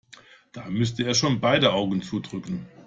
Da müsste er schon beide Augen zudrücken.